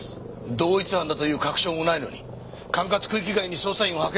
同一犯だという確証もないのに管轄区域外に捜査員を派遣出来るわけがないだろ。